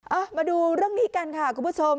มาดูเรื่องนี้กันค่ะคุณผู้ชม